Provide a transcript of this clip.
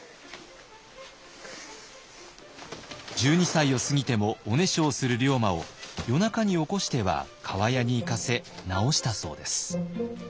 １２歳を過ぎてもおねしょをする龍馬を夜中に起こしては厠に行かせ治したそうです。